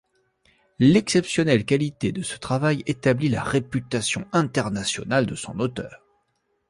L'exceptionnelle qualité de ce travail établit la réputation internationale de son auteur.